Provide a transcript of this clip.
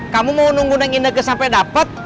kamu mau nunggu neng indeke sampe dapet